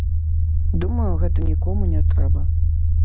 Думаю, гэта нікому не трэба.